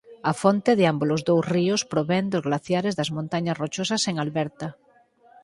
A fonte de ámbolos dous ríos provén dos glaciares das Montañas Rochosas en Alberta.